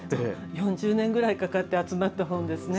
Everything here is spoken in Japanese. ４０年ぐらいかかって集まった本ですね。